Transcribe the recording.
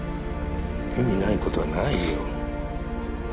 意味ないことはないよ。